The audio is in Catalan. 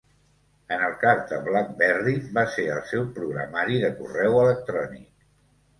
En el cas de Blackberry, va ser el seu programari de correu electrònic.